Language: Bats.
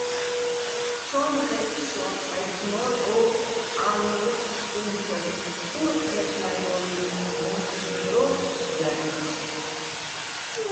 ცო́მ ხე́ჸ სო́ჼ-აჲლ'ნო́რ ო ა́ლნირეჩო̆ ფსტუჲნჩოვ, თურ ჴე́რლ'აჲო́ლიჼ, მო́სსიჼ დრო ჲარი́ცი̆.